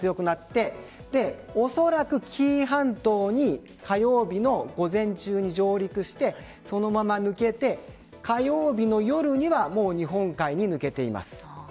おそらく紀伊半島に火曜日の午前中に上陸してそのまま抜けて、火曜日の夜にはもう日本海に抜けています。